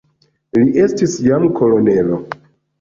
Li estis jam kolonelo.